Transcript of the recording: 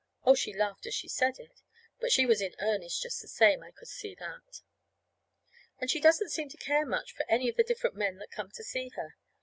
Oh, she laughed as she said it. But she was in earnest, just the same. I could see that. And she doesn't seem to care much for any of the different men that come to see her.